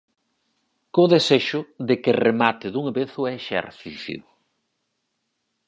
Co desexo de que remate dunha vez o exercicio.